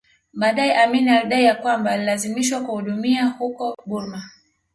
Baadae Amin alidai ya kwamba alilazimishwa kuhudumia huko Burma